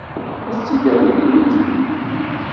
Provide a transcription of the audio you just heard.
Ad s-t-id-awint?